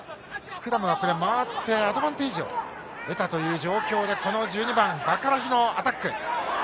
スクラムは回ってアドバンテージを得たという状況で１２番、ヴァカラヒのアタック。